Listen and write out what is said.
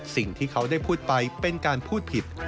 สิ่งที่เขาได้พูดไปเป็นการพูดผิด